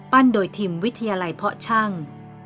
โดยทีมวิทยาลัยเพาะช่าง